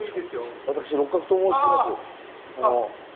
私六角と申します。